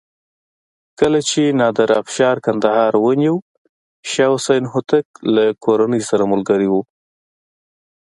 کله چې نادر افشار کندهار ونیو شاه حسین هوتک له کورنۍ سره ملګری و.